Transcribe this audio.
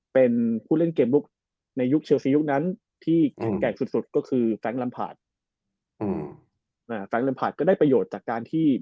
เป็นผู้เล่นเกมลุกในยุคเชลสียุคนั้นที่แข็งแข็งสุดสุดก็คือแฟงก์ลัมพาท